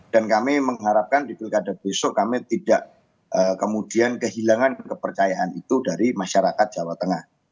dan kami mengharapkan di pilkada besok kami tidak kemudian kehilangan kepercayaan itu dari masyarakat jawa tengah